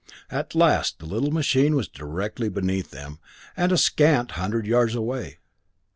At last the little machine was directly beneath them, and a scant hundred yards away.